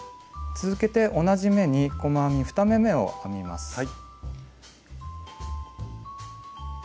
続けて同じ目に細編み２目めを編みます。